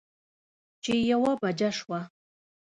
چې يوه بجه شوه